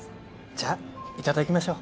じゃあいただきましょう